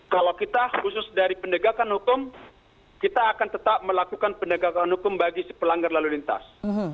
kalau kita khusus dari pendegakan hukum kita akan tetap melakukan penegakan hukum bagi si pelanggar lalu lintas